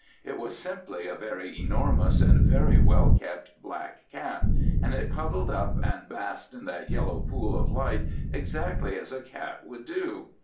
It was simply a very enormous and very well kept black cat, and it cuddled up and basked in that yellow pool of light exactly as a cat would do.